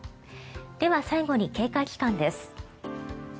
では、最後に警戒期間です。